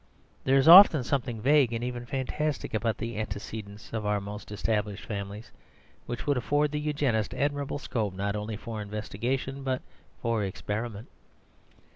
There is often something vague and even fantastic about the antecedents of our most established families, which would afford the Eugenist admirable scope not only for investigation but for experiment.